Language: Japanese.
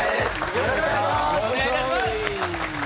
よろしくお願いします。